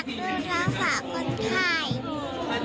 ก็จะมีการพิพากษ์ก่อนก็มีเอ็กซ์สุขก่อน